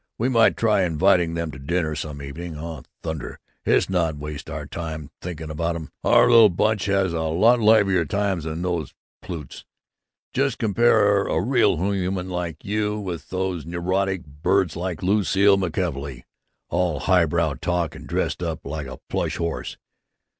We might try inviting them to dinner, some evening. Oh, thunder, let's not waste our good time thinking about 'em! Our little bunch has a lot liver times than all those plutes. Just compare a real human like you with these neurotic birds like Lucile McKelvey all highbrow talk and dressed up like a plush horse!